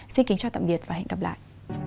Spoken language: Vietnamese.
xin kính chào tạm biệt và hẹn gặp lại